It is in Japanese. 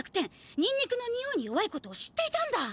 ニンニクのにおいに弱いことを知っていたんだ。